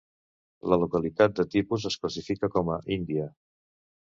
La localitat de tipus es classifica com a "Índia".